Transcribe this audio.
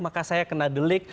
maka saya kena delik